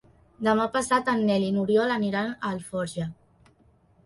Demà passat en Nel i n'Oriol aniran a Alforja.